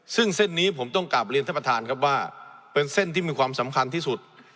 ซึ่งเส้นนี้ผมต้องกลับเรียนท่านประธานครับว่าเป็นเส้นที่มีความสำคัญที่สุด